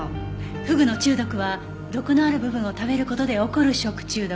フグの中毒は毒のある部分を食べる事で起こる食中毒。